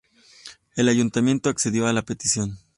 El Ayuntamiento accedió a la petición.